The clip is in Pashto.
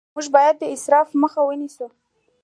موږ باید د اسراف مخه ونیسو